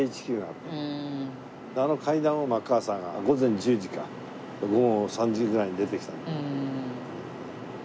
あの階段をマッカーサーが午前１０時か午後３時ぐらいに出てきた。